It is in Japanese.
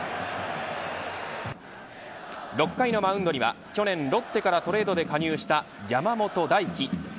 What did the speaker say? ６回のマウンドには去年ロッテからトレードで加入した山本大貴。